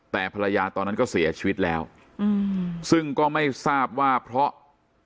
แต่ภรรยาตอนนั้นก็เสียชีวิตแล้วซึ่งก็ไม่ทราบว่าเพราะ